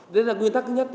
đấy là nguyên tắc nhất